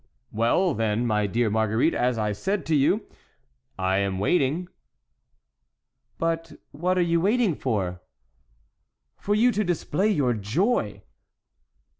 "Well, then, my dear Marguerite, as I said to you,—I am waiting." "But what are you waiting for?" "For you to display your joy!"